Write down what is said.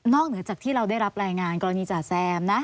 เหนือจากที่เราได้รับรายงานกรณีจ่าแซมนะ